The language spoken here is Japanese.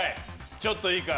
ちょっといいか。